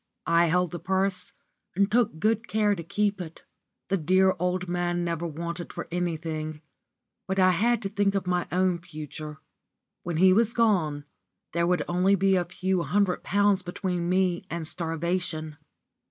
I held the purse, and took good care to keep it. The dear old man never wanted for anything, but I had to think of my own future. When he was gone, there would only be a few hundred pounds between me and starvation.